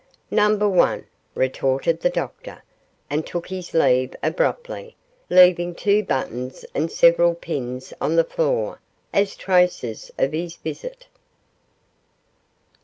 'Number one,' retorted the Doctor, and took his leave abruptly, leaving two buttons and several pins on the floor as traces of his visit.